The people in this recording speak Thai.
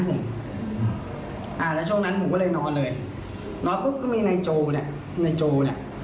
ผมบอกว่าทำอะไรผมไม่ได้ทำอะไร